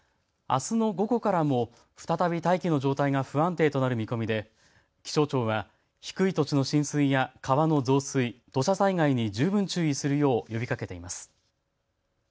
あすの午後からも再び大気の状態が不安定となる見込みで気象庁は低い土地の浸水や川の増水、土砂災害に十分注意するよう呼びかけています。